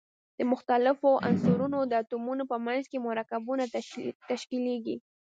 د مختلفو عنصرونو د اتومونو په منځ کې مرکبونه تشکیلیږي.